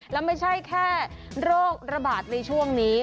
แล้วไม่ใช่แค่โรคระบาดในช่วงนี้